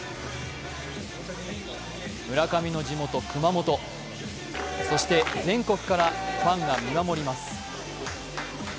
村上の地元・熊本、そして、全国からファンが見守ります。